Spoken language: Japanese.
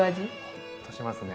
ほっとしますね。